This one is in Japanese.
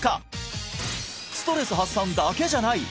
ストレス発散だけじゃない！